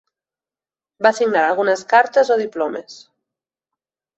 Va signar algunes cartes o diplomes.